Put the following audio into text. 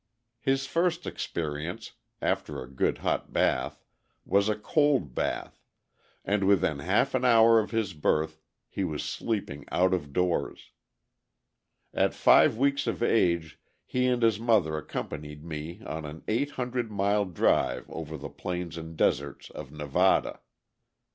His first experience after a good hot bath was a cold bath, and within half an hour of his birth he was sleeping out of doors. At five weeks of age he and his mother accompanied me on an eight hundred mile drive over the plains and deserts of Nevada.